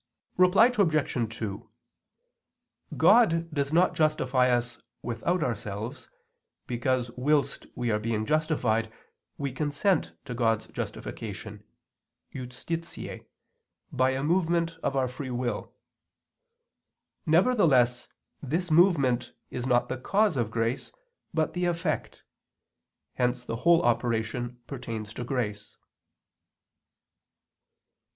Reply Obj. 2: God does not justify us without ourselves, because whilst we are being justified we consent to God's justification (justitiae) by a movement of our free will. Nevertheless this movement is not the cause of grace, but the effect; hence the whole operation pertains to grace.